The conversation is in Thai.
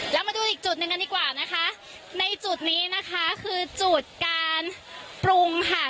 แล้วมาดูอีกจุดหนึ่งกันดีกว่านะคะในจุดนี้นะคะคือจุดการปรุงค่ะ